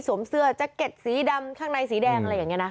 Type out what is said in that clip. เสื้อแจ็คเก็ตสีดำข้างในสีแดงอะไรอย่างนี้นะ